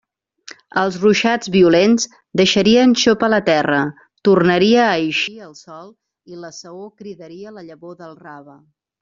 Els ruixats violents deixarien xopa la terra, tornaria a eixir el sol i la saó cridaria la llavor del rave.